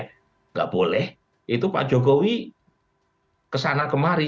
tidak boleh itu pak jokowi kesana kemari